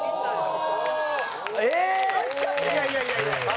蛍原：いやいや、いやいや！